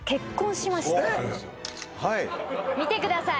見てください